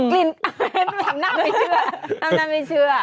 กลิ่นทำหน้าไม่เชื่อ